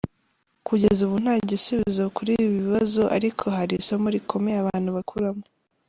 Kugeza ubu nta gisubizo kuri ibi bibazo ariko hari isomo rikomeye abantu bakuramo